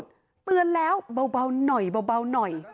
เตือนแล้วเบาหน่อย